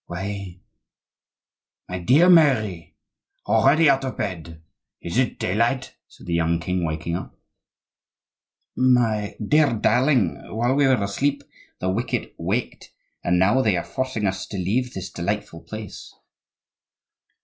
"Why! my dear Mary, already out of bed? Is it daylight?" said the young king, waking up. "My dear darling, while we were asleep the wicked waked, and now they are forcing us to leave this delightful place."